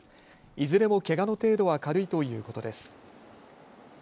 いずれもけがの程度は軽いということです。